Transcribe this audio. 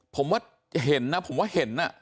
ผมว่าเห็นนะผมว่าเห็น